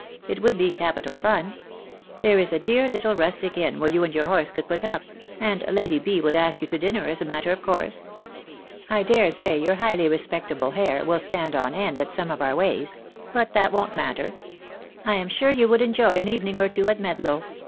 It would be capital fun. There is a dear little rustic inn where you and your horse can put up — and Lady B. would ask you to dinner as a matter of course. I daresay your highly respectable hair will stand on end at some of our ways — but that won't matter. I am sure you would enjoy an evening or two at Medlow.